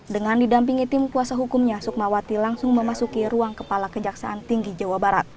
dengan didampingi tim kuasa hukumnya sukmawati langsung memasuki ruang kepala kejaksaan tinggi jawa barat